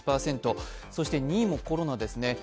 そして２位もコロナですね。